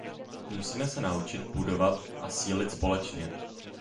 Musíme se naučit budovat a sílit společně.